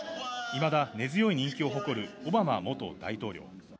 いまだ根強い人気を誇るオバマ元大統領。